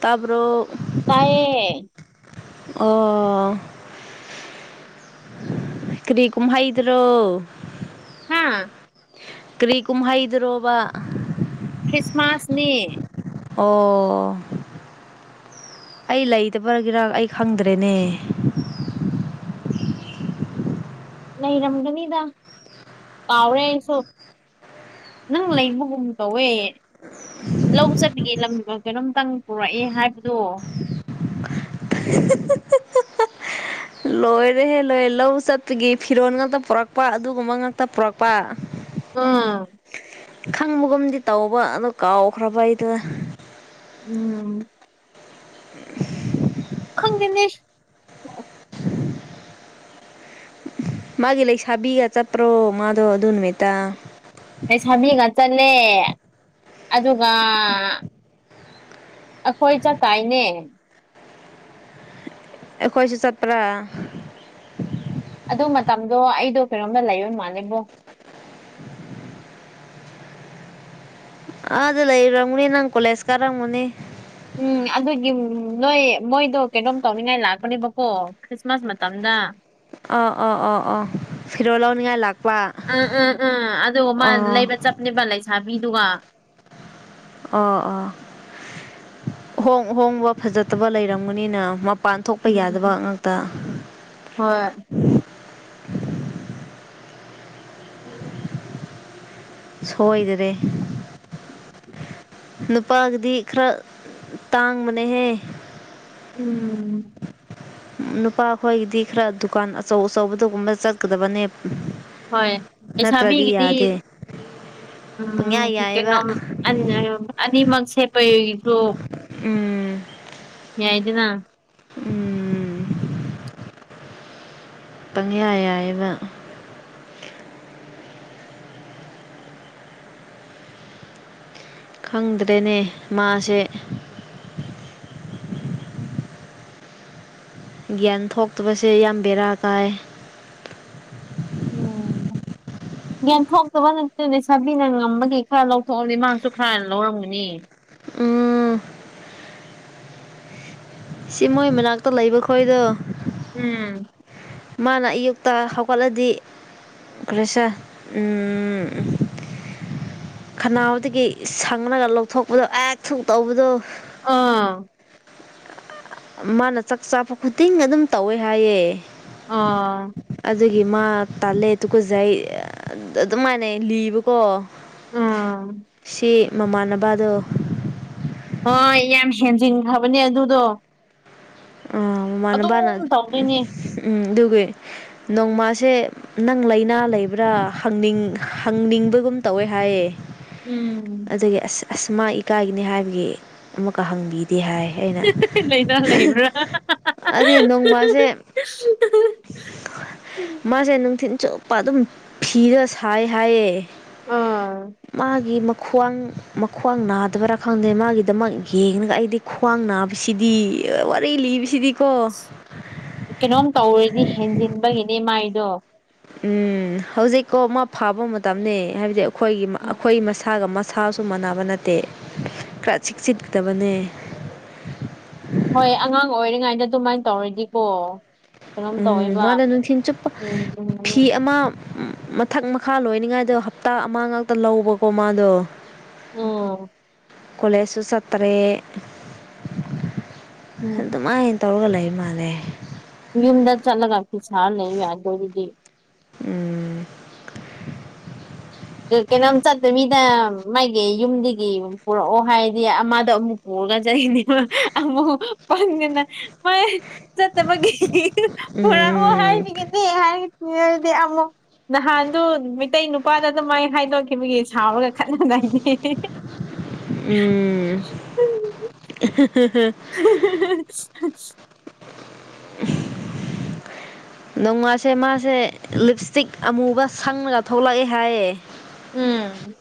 ꯇꯥꯕ꯭ꯔꯣ ꯇꯥꯏꯌꯦ ꯑꯣ ꯀꯔꯤ ꯀꯨꯨꯝꯍꯥꯏ ꯏꯗ꯭ꯔꯣ ꯍꯥꯥ ꯀꯔꯤ ꯀꯨꯝꯍꯩꯗ꯭ꯔꯣꯕ ꯈ꯭ꯔꯤꯁꯃꯥꯁꯅꯤ ꯑꯣ ꯑꯩ ꯂꯩꯇꯕꯒꯤꯔꯥꯛ ꯑꯩ ꯈꯪꯗ꯭ꯔꯦꯅꯦ ꯂꯩꯔꯝꯒꯅꯤꯗ ꯀꯥꯎꯔꯦ ꯑꯩꯁꯨ ꯅꯪ ꯂꯩꯕꯒꯨꯝ ꯇꯧꯋꯦ ꯂꯧ ꯆꯠꯕꯤꯒꯦ ꯂꯝꯕꯤ ꯀꯩꯅꯣꯝꯇꯪ ꯄꯨꯔꯛꯑꯦ ꯍꯥꯏꯕꯗꯣ ꯂꯣꯏꯔꯦꯍꯦ ꯂꯣꯏꯔꯦ ꯂꯧ ꯆꯠꯄꯒꯤ ꯐꯤꯔꯣꯜ ꯉꯥꯛꯇ ꯄꯨꯔꯛꯄ ꯑꯗꯨꯒꯨꯝꯕ ꯉꯥꯛꯇ ꯄꯔꯛꯄ ꯑꯥ ꯈꯪꯕꯒꯨꯝꯗꯤ ꯇꯧꯕ ꯑꯣ ꯀꯥꯎꯈ꯭ꯔꯕ ꯑꯩꯗ ꯎꯝ [unintelligible] ꯈꯪꯗꯅꯤꯁ ꯃꯥꯒꯤ ꯂꯩꯁꯥꯕꯤꯒ ꯆꯄ꯭ꯔꯣ ꯃꯥꯗꯣ ꯑꯗꯨꯟ ꯃꯦ ꯇ ꯍꯣꯏ ꯁꯥꯕꯤꯒ ꯆꯠꯂꯦ ꯑꯗꯨꯒ ꯑꯩꯈꯣꯏ ꯆ ꯇꯥꯏꯅꯦ ꯑꯩꯈꯣꯏꯁꯨ ꯆꯠꯄ꯭ꯔꯥ ꯑꯗꯨ ꯃꯇꯝꯗꯣ ꯑꯩꯗꯣ ꯀꯩꯅꯣꯝꯗ ꯂꯩꯌꯣꯏ ꯃꯥꯜꯂꯦꯕꯣ ꯑ ꯑꯗꯨ ꯂꯩꯔꯪꯅꯤ ꯅꯪ ꯀꯣꯂꯦꯁ ꯀꯔꯪꯅꯤ ꯎꯝ ꯑꯗꯨꯒꯤ ꯅꯣꯏ ꯃꯣꯏꯗꯣ ꯀꯩꯅꯣꯝ ꯇꯧꯅꯤꯡꯉꯥꯏ ꯂꯥꯛꯄꯅꯦꯕꯀꯣ ꯈ꯭ꯔꯤꯁꯃꯥꯁ ꯃꯇꯝꯗ ꯑ ꯑ ꯑꯣ ꯑꯣ ꯑꯣ ꯐꯗꯔ ꯂꯅꯉꯥꯏ ꯂꯥꯛ ꯑꯥ ꯑꯥ ꯑꯥ ꯑꯗꯨ ꯃꯥ ꯑꯣ ꯂꯩꯕ ꯆꯞꯅꯦꯕ ꯂꯩꯁꯥꯕꯤꯗꯨꯒ ꯑ ꯑꯥ ꯍꯣꯡꯕ ꯐꯖꯠꯇꯕ ꯂꯩꯔꯝꯒꯅꯤꯅ ꯄꯥꯟ ꯊꯣꯛꯣꯛꯄ ꯎꯝ ꯌꯥꯗꯕ ꯉꯥꯛꯇ ꯍꯣꯏ ꯁꯣꯏꯗ꯭ꯔꯦ ꯅꯨꯄꯥꯒꯤꯗꯤ ꯈꯔ ꯇꯥꯡꯕꯅꯦꯍꯦ ꯎꯝ ꯅꯨꯄꯥꯈꯣꯏꯒꯤꯗꯤ ꯈꯔ ꯗꯨꯀꯥꯟ ꯑꯆꯧ ꯑꯆꯧꯕꯗꯨꯒꯨꯝꯕ ꯆꯠꯀꯗꯕꯅꯦ ꯍꯣꯏ ꯑꯩ ꯅꯠꯇ꯭ꯔꯗꯤ ꯆꯥꯕꯤꯒꯤꯗꯤ ꯌꯥꯗꯦ ꯄꯪꯌꯥ ꯌꯥꯏꯌꯦꯕ ꯎꯝꯩꯅꯣ ꯑꯅꯤꯃꯛꯁ ꯄꯁꯨ ꯎꯝ ꯌꯥꯏꯗꯗꯅꯥ ꯎꯝ ꯄꯪꯌꯥ ꯌꯥꯏꯕ ꯈꯪꯗ꯭ꯔꯦꯅꯦ ꯃꯥꯁꯦ ꯒ꯭ꯌꯥꯟ ꯊꯣꯛꯇꯕꯁꯦ ꯌꯥꯝ ꯕꯦꯔꯥ ꯇꯥꯏ [unintelligible] ꯌꯦꯟꯊꯣꯛꯇꯕ ꯅꯠꯇꯗꯤ ꯁꯥꯕꯤꯅ ꯉꯝꯕꯒꯤ ꯈꯔ ꯂꯧꯊꯣꯛꯑꯗꯤꯃꯥꯡꯁꯨ ꯈꯔꯅ ꯂꯧꯔꯝꯒꯅꯤ ꯎꯝ ꯁꯤ ꯃꯣꯏ ꯃꯅꯥꯛꯇ ꯂꯩꯕ ꯈꯣꯏꯗꯣ ꯎꯝ ꯃꯥꯅ ꯑꯌꯨꯛꯇ ꯍꯧꯒꯠꯂꯗꯤ ꯀ꯭ꯔꯤꯁ ꯎ ꯈꯅꯥꯎꯅꯕꯗꯒꯤ ꯁꯪꯉꯒ ꯂꯧꯊꯣꯛꯄꯗꯣ ꯑꯦꯛ ꯊꯨ ꯇꯧꯕꯗꯣ ꯑꯥ ꯃꯥꯅ ꯆꯥꯛ ꯆꯥꯕ ꯈꯨꯗꯤꯡ ꯑꯗꯨꯝ ꯇꯧꯋꯦ ꯍꯥꯏꯌꯦꯦ ꯑꯥ ꯑꯗꯨꯒꯤ ꯃꯥ ꯇꯥꯜꯂꯦ ꯇꯨꯀꯖꯩ ꯑꯗꯨꯃꯥꯏꯅ ꯂꯤꯕꯀꯣ ꯑꯥ ꯁꯤ ꯃꯃꯥꯟꯅꯕꯗꯣ ꯑ ꯌꯥꯝ ꯍꯦꯟꯖꯤꯟꯈ꯭ꯔꯕꯅꯦ ꯑꯗꯨꯗꯣ ꯑ ꯃꯅꯕꯅ ꯑꯗꯨꯝ ꯇꯧꯗꯣꯏꯅꯦ ꯎꯝ ꯑꯗꯨꯒꯒꯤ ꯅꯣꯡꯃꯥꯁꯦ ꯅꯪ ꯂꯥꯏꯅꯥ ꯂꯩꯕ꯭ꯔꯥꯪꯅꯤꯡ ꯍꯪꯅꯤꯡꯕꯒꯨꯝ ꯀꯨꯝ ꯇꯧꯋꯦ ꯍꯥꯏꯌꯦ ꯎꯝ ꯑꯗꯨꯒꯤ ꯑꯁ ꯑꯁ ꯃꯥ ꯏꯀꯥꯏꯒꯅꯤ ꯍꯥꯏꯕꯒꯤ ꯑꯃꯨꯛꯀ ꯍꯪꯕꯤꯗꯦ ꯍꯥꯏ ꯑꯩꯅ ꯂꯩꯅꯥ ꯂꯩꯕ꯭ꯔꯥ ꯑꯗꯨꯗꯤ ꯅꯣꯡꯃꯁꯦ ꯎꯝ ꯃꯥꯁꯦ ꯅꯨꯡꯊꯤꯤꯟ ꯆꯨꯞꯄ ꯑꯗꯨꯝ ꯐꯤꯔ ꯁꯥꯏ ꯍꯥꯏꯌꯦ ꯑꯥ ꯃꯥꯒꯤ ꯃ ꯈ꯭ꯋꯥꯡ ꯃꯈ꯭ꯋꯥꯡ ꯅꯥꯗꯕꯔꯥ ꯈꯪꯗꯦ ꯃꯥꯒꯤꯗꯃꯛ ꯌꯦꯡꯉꯒ ꯑꯩꯗꯤ ꯈ꯭ꯋꯥꯡ ꯅꯥꯕꯁꯤꯗꯤ ꯋꯥꯔꯤ ꯂꯤꯞꯁꯤꯗꯤ ꯀꯩꯅꯣꯝ ꯇꯧꯔꯗꯤ ꯍꯦꯟꯖꯤꯟꯕꯒꯤꯅꯦ ꯃꯥꯏꯗꯣ ꯎꯝ ꯍꯧꯖꯤꯛꯀꯣ ꯑꯃ ꯐꯥꯕ ꯃꯇꯝꯅꯤ ꯍꯥꯏꯕꯗꯤ ꯑꯩꯈꯣꯏꯒꯤ ꯎꯝ ꯑꯩꯈꯣꯏ ꯃꯁꯥꯒ ꯃ ꯁꯥꯁꯨ ꯃꯥꯟꯅꯕ ꯅꯠꯇꯦ ꯈꯔ ꯆꯤꯛ ꯆꯤꯠꯗꯕꯅꯦ ꯍꯣꯏ ꯑꯉꯥꯡ ꯑꯣꯏꯔꯤꯉꯩꯗ ꯑꯗꯨꯃꯥꯏꯅ ꯇꯧꯔꯗꯤꯀꯣ ꯀꯩꯅꯣꯝ ꯎꯝ ꯇꯧꯋꯦꯕ ꯃꯥꯅ ꯅꯨꯡꯊꯤꯜ ꯆꯨꯞꯄ ꯐꯤ ꯎꯝ ꯑꯃ ꯃꯊꯛ ꯃꯈꯥ ꯂꯣꯏꯅꯤꯡꯉꯥꯏꯗꯣ ꯍꯞꯇꯥ ꯑꯃ ꯉꯥꯛꯇ ꯂꯧꯕꯀꯣ ꯃꯥꯗꯣ ꯑꯣ ꯀꯂꯦꯖꯁꯨ ꯁꯥꯇ꯭ꯔꯦ ꯑꯗꯨ ꯎꯝ ꯑꯗꯨꯃꯥꯏ ꯇꯧꯔꯒ ꯂꯩ ꯃꯥꯜꯂꯦ ꯌꯨꯝꯗ ꯆꯠꯂꯒ ꯐ ꯁꯥꯔ ꯂꯩꯕ ꯌꯥꯏ ꯑꯗꯨꯣ ꯑꯗꯨꯗꯤ ꯎꯝ ꯀꯩꯅꯣꯝ ꯆꯠꯇꯣꯏ ꯃꯤꯅ ꯃꯥꯒꯤ ꯌꯨꯝꯗꯒꯤ ꯄꯨꯔꯛꯑꯣ ꯍꯥꯏꯔꯗꯤ ꯑꯃꯗ ꯑꯃꯨꯛ ꯄꯨꯔꯛꯑꯣ ꯄꯨꯔꯅꯤ ꯑꯃꯃꯕꯨ ꯄꯗꯅ ꯃ ꯆꯠꯇꯕꯒꯤ ꯄꯨꯔꯥ ꯎꯝ ꯍꯥꯏꯈꯤꯒꯦꯗꯤꯦ ꯍꯥꯏ ꯗꯤ ꯑꯃꯨꯛ ꯅꯍꯥꯟꯗꯨ ꯃꯩꯇꯩ ꯅꯨꯄꯥꯗ ꯑꯗꯨꯃꯥꯏ ꯍꯥꯏꯗꯣꯛꯈꯤꯕꯒꯤ ꯁꯥꯎꯔꯒ ꯈꯠꯅꯅꯕꯅꯤ ꯎꯝ [unintelligible] [unintelligible] ꯎ ꯅꯣꯡꯃꯥꯁꯦ ꯃꯥꯁꯦ ꯂꯤꯞ ꯏꯁꯇꯤꯛ ꯑꯃꯨꯕ ꯁꯪꯉꯒ ꯊꯣꯛꯂꯛꯑꯦ ꯍꯥꯏꯌꯦ ꯎꯝ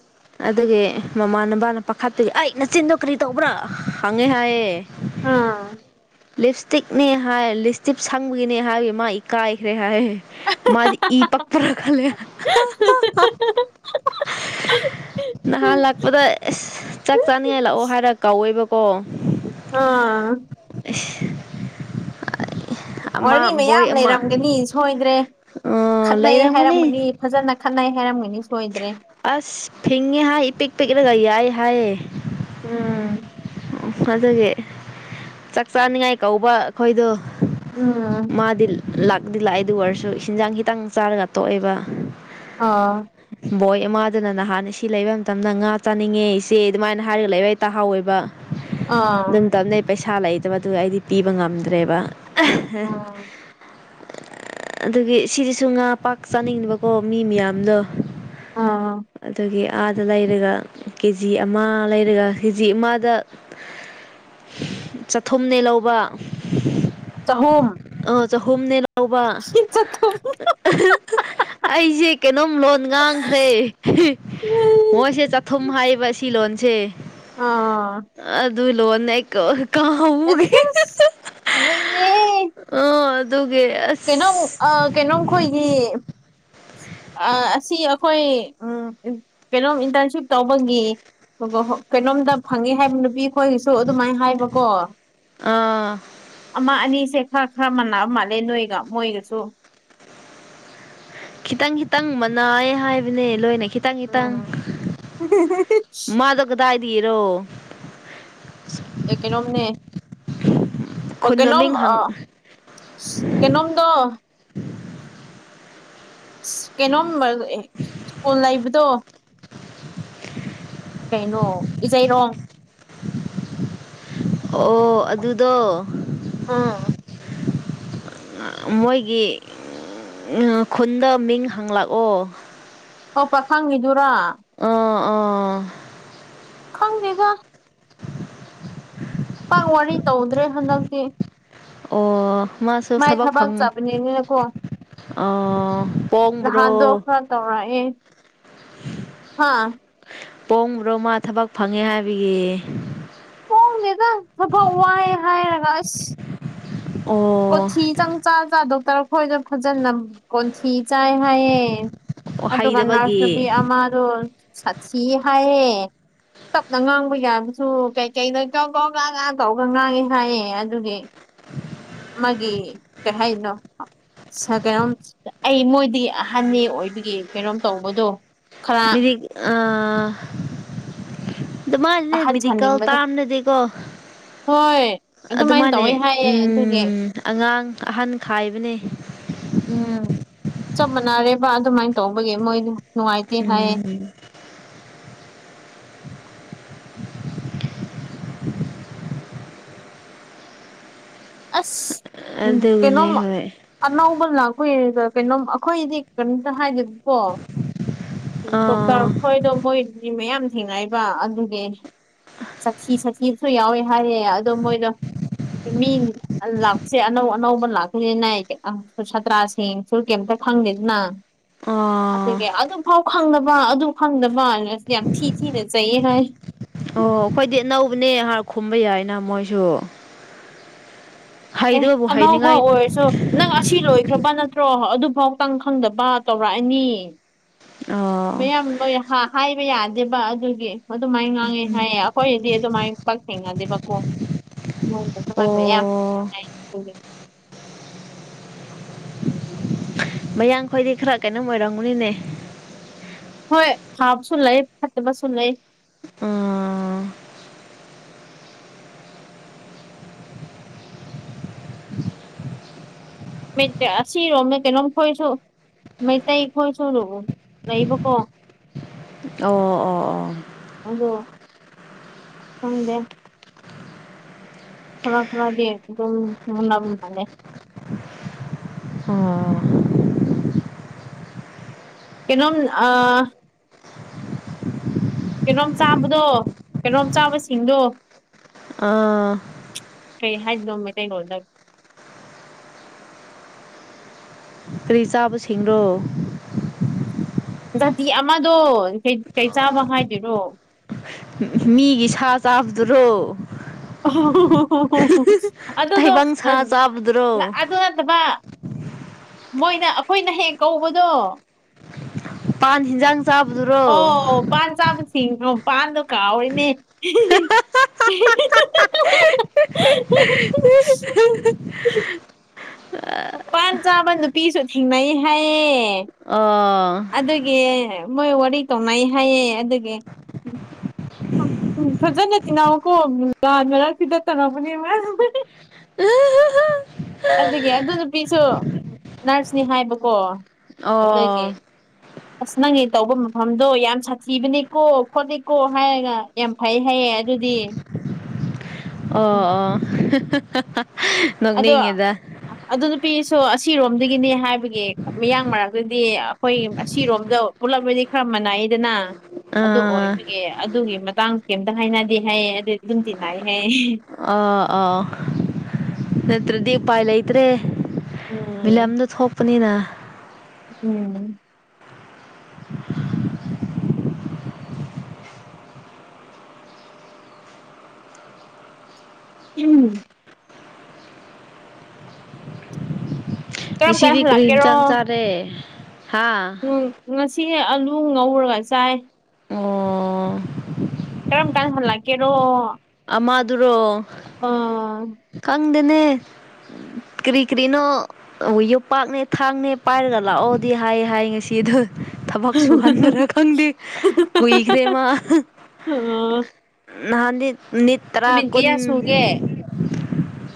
ꯑꯗꯨꯗꯒꯤ ꯃꯃꯥꯟꯅꯕꯅ ꯄꯥꯈꯥꯠꯇꯒꯤ ꯑꯩ ꯅꯆꯤꯟꯗꯣ ꯀꯔꯤ ꯇꯧꯕ꯭ꯔꯥ ꯍꯪꯉꯦ ꯍꯥꯏꯌꯦ ꯑꯥ ꯂꯤꯞ ꯏꯁꯇꯤꯛꯅꯦ ꯍꯥꯏ ꯂꯤꯞꯁ ꯏꯁꯇꯤꯛ ꯁꯪꯕꯒꯤꯅꯦ ꯍꯥꯏꯕꯒꯤ ꯃꯥ ꯏꯀꯥꯏꯈ꯭ꯔꯦ ꯍꯥꯏ ꯃꯥꯗꯤ ꯏ ꯄꯛꯄꯔ ꯈꯜꯜꯂꯤꯂꯤꯌꯥ ꯅꯍꯥꯟ ꯂꯥꯛꯄꯗ ꯑꯦꯁ ꯆꯥꯛ ꯆꯥꯅꯤꯡꯉꯥꯏ ꯂꯥꯛꯑꯣ ꯍꯥꯏꯔ ꯀꯧꯋꯦꯕꯀꯣ ꯑꯥ [unintelligible] ꯑꯃ ꯑꯣꯔꯅꯤ ꯕꯣꯏ ꯃꯌꯥꯝ ꯑꯃ ꯂꯩꯔꯝꯒꯅꯤ ꯁꯣꯏꯗ꯭ꯔꯦ ꯑ ꯈꯠꯅꯩ ꯂꯩꯔꯝꯒꯅꯤ ꯍꯥꯏꯔꯝꯒꯅꯤ ꯐꯖꯅ ꯈꯠꯅꯩ ꯍꯥꯏꯔꯝꯒꯅꯤ ꯁꯣꯏꯗ꯭ꯔꯦ ꯑꯁ ꯊꯤꯡꯉꯦ ꯍꯥꯏ ꯏ ꯄꯤꯛ ꯄꯤꯛꯂꯒ ꯌꯥꯏ ꯍꯥꯏꯑꯌꯦꯦ ꯎꯝ ꯎ ꯑꯗꯨꯒꯤ ꯆꯥꯛ ꯆꯥꯅꯤꯡꯉꯥꯏ ꯀꯧꯕ ꯑꯩꯈꯣꯏꯗꯣ ꯎꯝ ꯃꯥꯗꯤ ꯂꯥꯛꯗꯤ ꯂꯥꯛꯑꯦꯗꯨ ꯑꯣꯏꯔꯁꯨ ꯍꯤꯟꯖꯥꯡ ꯈꯤꯇꯥꯡ ꯆꯥꯔꯒ ꯇꯣꯛꯑꯦꯕ ꯑꯥ ꯕꯣꯏ ꯑꯃꯗꯨꯅ ꯅꯍꯥꯟ ꯁꯤ ꯂꯩꯕ ꯃꯇꯝꯗ ꯉꯥ ꯆꯥꯅꯤꯡꯉꯦ ꯏꯆꯦ ꯑꯗꯨꯃꯥꯏꯅ ꯍꯥꯏꯔꯒ ꯂꯩꯕꯩ ꯇꯥꯍꯥꯎꯋꯦꯕ ꯑꯥ ꯄꯩꯁꯥ ꯂꯩꯇꯕꯗꯨ ꯑꯩꯗꯤ ꯄꯤꯕ ꯉꯝꯗ꯭ꯔꯦꯕ ꯎꯝ ꯑꯗꯨꯒꯤ ꯁꯤꯗꯤꯁꯨ ꯉꯥ ꯄꯥꯛ ꯆꯥꯅꯤꯡꯕꯀꯣ ꯃꯤ ꯃꯌꯥꯝꯗꯣ ꯑꯥ ꯑꯗꯨꯒꯤ ꯑꯥꯗ ꯂꯩꯔꯒ ꯀꯦ ꯖꯤ ꯑꯃ ꯂꯩꯔꯒ ꯀꯦ ꯖꯤ ꯑꯃꯗ ꯆꯥꯊꯨꯝꯅꯦ ꯂꯧꯕ ꯆꯍꯨꯝ ꯑ ꯆꯍꯨꯝꯅꯦ ꯂꯧꯕ ꯆꯍꯨꯝ ꯑꯩꯁꯦ ꯀꯩꯅꯣꯝ ꯂꯣꯟ ꯉꯥꯡꯈ꯭ꯔꯦ ꯃꯣꯏꯁꯦ ꯆꯥꯊꯨꯝ ꯍꯥꯏꯕ ꯁꯤ ꯂꯣꯟ ꯑꯥ ꯑꯗꯨ ꯂꯣꯟꯣꯟꯅ ꯀꯥꯥꯎꯒ ꯑꯦꯁ ꯑꯦꯁ ꯅꯣꯏꯅꯦ ꯑꯣ ꯑꯗꯨ ꯀꯩꯅꯣꯝ ꯀꯩꯅꯣꯝꯈꯣꯏꯒꯤ ꯑꯁꯤ ꯑꯩꯈꯣꯏ ꯎ ꯀꯩꯅꯣꯝ ꯏꯟꯇꯔꯟꯁꯤꯞ ꯇꯧꯕꯒꯤ ꯍ ꯀꯩꯅꯣꯝꯗ ꯐꯪꯉꯦ ꯍꯥꯏꯕ ꯅꯨꯄꯤ ꯑꯩꯈꯣꯏꯒꯤꯁꯨ ꯑꯗꯨꯃꯥꯏꯅ ꯍꯥꯏꯕꯀꯣ ꯑꯥ ꯑꯃ ꯑꯅꯤ ꯁꯦ ꯈꯔ ꯈꯔ ꯃꯥꯟꯅꯥ ꯃꯥꯜꯂꯦ ꯅꯣꯏꯒ ꯃꯣꯏꯒꯁꯨ ꯈꯤꯇꯪ ꯈꯤꯇꯪ ꯃꯅꯥꯑ ꯍꯥꯏꯕꯅꯦ ꯂꯣꯏꯅ ꯈꯤꯇꯪ ꯏꯈꯤꯇꯪ ꯎꯝ ꯃꯥꯗ ꯀꯗꯥ ꯍꯥꯏꯗꯤꯔꯣ ꯑꯦ ꯀꯩꯅꯣꯝꯅꯦ [unintelligible] ꯀꯩꯅꯣꯝ ꯃꯃꯤꯡ ꯍꯪ ꯀꯩꯅꯝꯗ ꯀꯩꯅꯣꯝ ꯁ꯭ꯀꯨꯜ ꯂꯩꯕꯗꯣ ꯀꯩꯅꯣ ꯏ ꯑꯩ ꯔꯣꯡ ꯑꯣ ꯑꯗꯨꯗꯣ ꯑꯥ ꯃꯣꯏꯒꯤ ꯈꯨꯟꯗ ꯃꯤꯡ ꯍꯪꯂꯛꯑꯣ ꯑꯣ ꯄꯥꯈꯪꯉꯤꯗꯨꯔꯥ ꯑꯥ ꯑꯥ ꯈꯪꯗꯦꯒ [unintelligible] ꯄꯥꯛ ꯋꯥꯔꯤ ꯇꯧꯗ꯭ꯔꯦ ꯍꯟꯗꯛꯇꯤ ꯑꯣ ꯃꯥꯁꯨ ꯃꯥꯏ ꯆꯕꯥꯎ ꯊꯕꯛ ꯈꯪ ꯆꯠꯄꯅꯤꯅꯀꯣ ꯑꯣ ꯑꯣꯣꯝꯕ꯭ꯔꯣ ꯅꯍꯥꯟꯗꯣ ꯈꯔ ꯇꯧꯔꯛꯑꯦ [unintelligible] ꯍꯥꯥ ꯄꯣꯡꯕ꯭ꯔꯣ ꯃꯥ ꯊꯕꯛ ꯐꯪꯉꯦ ꯍꯥꯏꯕꯒꯤ ꯍꯣꯡꯒꯦꯗ ꯊꯕꯛ ꯋꯥꯏ ꯍꯥꯏꯔꯒ ꯑꯁ ꯑꯣ ꯀꯣꯊꯤ ꯆꯪ ꯆꯥ ꯆꯥ ꯗꯣꯛꯇꯔ ꯑꯩꯈꯣꯏꯗ ꯐꯖꯅ ꯀꯣꯟꯊꯤ ꯆꯥꯏ ꯍꯥꯏꯌꯦ ꯑꯣ ꯑꯗꯨꯒ ꯅꯔꯁ ꯅꯨꯨꯄꯤ ꯍꯩꯗꯕꯒꯤ ꯑꯃꯗꯣꯠ ꯁꯤ ꯍꯥꯏꯌꯦ ꯇꯞꯅ ꯉꯥꯡꯕ ꯌꯥꯕꯁꯨ ꯀꯩꯀꯩ ꯀ ꯀꯧ ꯥ ꯥ ꯇꯧꯒ ꯉꯥꯡꯉꯦ ꯍꯥꯏꯌꯦ ꯑꯗꯨꯒꯤ ꯃꯥꯒꯤ ꯀ ꯍꯥꯏꯅꯣ ꯀꯩꯅꯣꯝ ꯑꯩ ꯃꯣꯏꯗꯤ ꯑꯍꯟꯅꯤ ꯑꯣꯏꯕꯒꯤ ꯀꯩꯅꯣꯝ ꯇꯧꯕꯗꯣ ꯈꯔ ꯃꯤꯗꯤ ꯑ ꯑꯗ ꯃꯥꯁꯤꯅꯦ ꯑꯍꯟ ꯃꯦꯗꯤꯀꯦꯜ ꯁꯥꯅꯤꯡꯕꯗꯣ ꯇꯥꯝꯅꯗꯤꯀꯣ ꯍꯣꯏ ꯑꯗꯨꯃꯥꯏꯅ ꯑꯗꯨꯃꯅꯦ ꯇꯧꯋꯦ ꯍꯥꯏꯌꯦ ꯎ ꯑꯗꯨꯒꯤ ꯑꯉꯥꯡ ꯑꯍꯟ ꯈꯥꯏꯕꯅꯦ ꯎꯝ ꯆꯞ ꯃꯥꯟꯅꯔꯦꯕ ꯑꯗꯨꯃꯥꯏꯅ ꯇꯧꯕꯒꯤ ꯃꯣꯏ ꯅꯨꯡꯉꯥꯏꯇꯦ ꯍꯥꯏꯌꯦ ꯎꯝ ꯑꯁ ꯀꯩꯅꯣ ꯑꯗꯨꯒꯅꯦ ꯍꯣꯏ ꯑꯅꯥ ꯑꯩꯈꯣꯏ ꯀꯩꯅꯣꯝ ꯑꯩꯈꯣꯏꯗꯤ ꯀꯩꯅꯣꯝꯇ ꯍꯥꯏꯗꯦ ꯀꯣ ꯗꯣꯛꯇꯔ ꯑꯥ ꯈꯣꯏꯗꯣ ꯃꯣꯏꯗꯤ ꯃꯌꯥꯝ ꯊꯦꯡꯅꯕ ꯑꯗꯨꯗꯤ ꯆꯈꯤ ꯁꯛꯈꯤꯁꯨ ꯌꯥꯎꯋꯦ ꯍꯥꯏꯌꯦ ꯑꯗꯣ ꯃꯣꯏꯗꯣ ꯃꯤ ꯂꯥꯛꯄꯁꯦ ꯑꯅꯧ ꯑꯅꯧꯕ ꯂꯥꯛꯄꯁꯤꯅꯦ ꯁꯥꯇ꯭ꯔꯥꯁꯤꯡꯁꯨ ꯀꯩꯝꯇ ꯈꯪꯗꯦꯗꯅ ꯑꯥ ꯑꯗꯨꯒꯤ ꯑꯗꯨꯐꯥꯎ ꯈꯪꯗꯕ ꯑꯗꯨ ꯈꯪꯗꯕ ꯌꯥꯝ ꯊꯅ ꯆ ꯍꯥꯏ ꯑꯣ ꯑꯩꯈꯣꯏꯗꯤ ꯑꯅꯧꯕꯅꯦ ꯍꯥꯔ ꯈꯨꯝꯕ ꯌꯥꯏꯅ ꯃꯣꯏꯁꯨ ꯑꯦ ꯍꯩꯗꯕꯕꯨ ꯑꯅꯧꯕ ꯍꯩꯅꯤꯡꯉꯥꯏ ꯑꯣꯏꯔꯁꯨ ꯅꯪ ꯑꯁꯤ ꯂꯣꯏꯈ꯭ꯔꯕ ꯅ ꯅꯠꯇ꯭ꯔꯣ ꯑꯗꯨꯐꯥꯎꯇꯪ ꯈꯪꯗꯕ ꯇꯧꯔꯛꯑꯅꯤ ꯑꯥ ꯃꯌꯥꯝ ꯂꯣꯏ ꯍꯥꯏꯕ ꯌꯥꯗꯦꯕ ꯑꯗꯨꯒꯤ ꯑꯗꯨꯃꯥꯏꯅ ꯉꯥꯡꯉꯦ ꯍꯥꯏꯌꯦ ꯑꯩꯈꯣꯏꯗꯤ ꯑꯗꯨꯃꯥꯏꯅ ꯄꯛ ꯊꯦꯡꯅꯗꯦꯕꯀꯣ ꯍ ꯌꯥꯝ ꯑꯣ ꯍꯥꯏ ꯃꯌꯥꯡ ꯈꯣꯏꯗꯤ ꯈꯔ ꯀꯩꯅꯣꯝ ꯑꯣꯏꯔꯝꯒꯨꯅꯤꯅꯦ ꯍꯣꯏ ꯐꯥꯕꯁꯨ ꯂꯩ ꯐꯠꯇꯕꯁꯨ ꯂꯩ ꯑꯥ ꯃꯁꯤꯔꯣ ꯑꯝꯃꯦ ꯀꯩꯅꯣꯝ ꯈꯣꯏꯁꯨꯣ ꯃꯩ ꯇꯥꯏꯈꯣꯏ ꯁ ꯂ ꯅꯕꯨ ꯀꯣ ꯑꯣ ꯑꯣ ꯑꯣ ꯊꯪꯒ ꯊꯔꯥ ꯈꯔꯥꯒꯤ ꯑꯦꯝ ꯃꯨꯅꯥꯕꯨꯝ ꯅꯂꯦ ꯑꯣ ꯀꯩꯅꯣꯝ ꯑ ꯀꯩꯅꯣꯝ ꯆꯥꯕꯗꯣ ꯀꯩꯅꯣꯝ ꯆꯥꯕꯁꯤꯡꯗꯣ ꯑꯥ ꯀꯩ ꯍꯥꯏꯖꯗꯣ ꯃꯇꯩ ꯂꯧꯗ ꯀꯔꯤ ꯆꯥꯕꯁꯤꯡꯦꯡꯅꯣ ꯖꯥꯇꯤ ꯑꯃꯗꯣ ꯀꯩ ꯆꯥꯕ ꯍꯥꯏꯗꯣꯏꯔꯣ ꯃꯤꯒꯤ ꯁꯥ ꯆꯥꯞꯗꯨꯔꯣ ꯍ ꯍ ꯑꯗꯨꯗꯣ ꯇꯥꯏꯕꯪ ꯁꯥ ꯆꯥꯕꯗꯨꯔꯣ ꯑ ꯅꯕ ꯃꯣꯏꯅ ꯑꯩꯈꯣꯏꯅ ꯍꯦꯛ ꯀꯧꯕꯗꯣ ꯄꯥꯟ ꯍꯤꯟꯖꯥꯡ ꯆꯥꯕꯗꯨꯔꯣ ꯑꯣ ꯄꯥꯟ ꯆꯥꯕꯁꯤꯡꯅꯣ ꯄꯥꯟꯗꯣ ꯀꯥꯎꯑꯣꯣꯏꯅꯦ [inaudible] ꯎ ꯃꯄꯥꯥꯟ ꯆꯥꯃ ꯅꯨꯄꯤꯁꯨ ꯊꯦꯡꯅꯩ ꯍꯥꯏꯌꯦ ꯑꯥ ꯑꯗꯨꯒꯤ ꯃꯣꯏ ꯋꯥꯔꯤ ꯇꯧꯅꯩ ꯍꯥꯏꯌꯦꯦ ꯑꯗꯨꯒꯤ ꯎ ꯐꯖꯅ ꯇꯤꯅꯥꯎꯀꯣ ꯂꯥꯟ ꯃꯔꯛꯁꯤꯗ ꯇꯉꯅꯕꯅꯦ ꯍ ꯑꯗꯨꯒꯤ ꯑꯗꯨ ꯅꯨꯄꯤꯁꯨ ꯅꯔꯁꯅꯤ ꯍꯥꯏꯕꯀꯣ ꯑꯗꯨꯒꯤ ꯑꯣ ꯑꯁ ꯅꯪꯒꯤ ꯇꯧꯕ ꯃꯐꯝꯗꯣ ꯌꯥꯝ ꯁꯥꯊꯤꯕꯅꯤꯀꯣ ꯈꯣꯠꯂꯤꯀꯣ ꯍꯥꯏꯔꯒ ꯌꯥꯝ ꯐꯩ ꯍꯥꯏꯩꯌꯦ ꯀꯌꯥ ꯑꯗꯨꯗꯤ ꯎꯝ ꯑꯣ ꯑ ꯑꯗꯣ ꯑꯗꯨ ꯑꯗꯨ ꯄꯤ ꯁꯣ ꯑꯁꯤꯔꯣꯝꯗꯒꯤꯅꯤ ꯍꯥꯏꯕꯒꯤ ꯃꯤꯌꯥꯡ ꯃꯔꯛꯇꯗꯤ ꯑꯩꯈꯣꯏ ꯑꯁꯤꯔꯣꯝꯗ ꯄꯨꯜꯂꯛꯕꯗꯤ ꯈꯔ ꯃꯅꯏꯗꯅ ꯑ ꯑꯗꯨꯒꯤ ꯃꯇꯥꯡꯁꯨ ꯀꯩꯝꯇ ꯍꯥꯏꯅꯗꯦ ꯍꯥꯏꯌꯦ ꯑꯗꯨ ꯑꯗꯨꯝꯗꯤꯤꯟꯅꯏ ꯍꯥꯏꯌꯦ ꯑ ꯑ ꯅꯠꯇ꯭ꯔꯗꯤ ꯎ ꯄꯥꯏ ꯂꯩꯇ꯭ꯔꯦ ꯎꯝ ꯃꯤꯕꯤꯂꯝꯗ ꯊꯣꯛꯄꯅꯤꯅ ꯎꯝ ꯎꯝ ꯀꯔꯝ ꯀꯥꯟ ꯉꯁꯤꯗꯤ ꯀꯔꯤ ꯏꯟ ꯍꯜꯂꯛꯀꯦꯔꯣ ꯆꯪ ꯆꯥꯔꯦ ꯍꯥ ꯎꯝ ꯉꯁꯤ ꯑꯂꯨ ꯉꯧꯔꯒ ꯆꯥꯏ ꯑꯣ ꯀꯔꯝ ꯀꯥꯟꯁꯤꯜꯂ ꯀꯦꯔꯣ ꯥꯗꯨꯔꯣ ꯑꯥ ꯈꯥꯡꯗꯨꯅꯦ ꯀꯔꯤ ꯀꯔꯤꯅꯣ ꯑꯩꯈꯣꯏ ꯌꯣꯄꯥꯛꯅꯦ ꯊꯥꯡꯅꯦ ꯄꯥꯏꯔꯒ ꯂꯥꯛꯑꯣꯗꯤ ꯍꯥꯏ ꯍꯥꯏ ꯉꯁꯤꯗ ꯊꯕꯛ ꯁꯨꯍꯟꯕ꯭ꯔꯥ ꯈꯪꯗꯦ ꯀꯨꯏꯈ꯭ꯔꯦ ꯃꯥ ꯑꯥ ꯅꯍꯅꯤꯅꯤ ꯇꯔꯥ ꯀꯨꯟ ꯁꯨꯒꯦ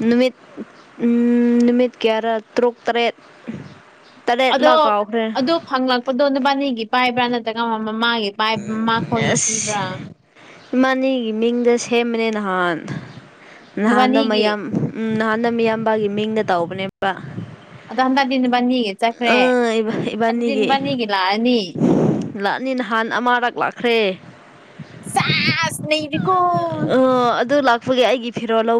ꯅꯨꯃꯤꯠ ꯅꯨꯃꯤꯠ ꯇꯌꯥꯔꯥ ꯇꯔꯨꯛ ꯇꯔꯦꯠ ꯑꯗꯣ ꯇꯔꯦꯠꯂ ꯀꯥꯎꯈ꯭ꯔꯦ ꯑꯗꯨ ꯐꯪꯂꯛꯄꯗꯣ ꯅꯨꯄꯥꯅꯤꯒꯤ ꯄꯥꯏꯕ꯭ꯔꯥ ꯅꯠꯇ꯭ꯔꯒꯃ ꯃꯥꯒꯤ ꯃꯈꯣꯏꯒꯤ ꯄꯤꯕ꯭ꯔꯥ ꯏꯃꯥꯅꯤꯒꯤ ꯃꯤꯡꯗ ꯁꯦꯝꯕꯅꯦ ꯅꯍꯥꯟ ꯅꯍꯥꯟꯗ ꯅꯕꯥꯅꯤꯒꯤ ꯃꯌꯥꯝ ꯎꯝ ꯅꯍꯥꯟꯅ ꯃꯤꯌꯥꯝꯕꯒꯤ ꯃꯤꯡꯅ ꯇꯧꯕꯅꯦꯕ ꯑꯗꯣ ꯍꯟꯗꯛꯗꯤ ꯅꯨꯅꯤꯄꯥꯅꯤꯒꯤ ꯆꯠꯈ꯭ꯔꯦ ꯑꯥ ꯑꯗꯨꯗꯤ ꯏꯕꯥꯅꯤꯒꯤ ꯅꯨꯄꯥꯜꯅꯤꯒꯤ ꯂꯥꯛꯑꯅꯤ ꯂꯥꯛꯅꯤ ꯅꯍꯥꯟ ꯑꯃꯔꯛ ꯂꯥꯛꯈ꯭ꯔꯦ ꯁꯥꯁ ꯅꯩꯔꯦꯀꯣ ꯑꯣ ꯑꯗꯨ ꯂꯥꯛꯄꯒꯤ ꯑꯩꯒꯤ ꯐꯤꯔꯣꯜ ꯂꯧ